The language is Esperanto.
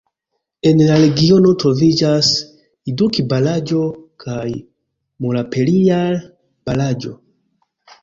En la regiono troviĝas Iduki-Baraĵo kaj Mulaperijar-Baraĵo.